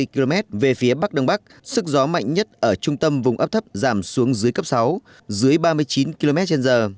ba mươi km về phía bắc đông bắc sức gió mạnh nhất ở trung tâm vùng áp thấp giảm xuống dưới cấp sáu dưới ba mươi chín km trên giờ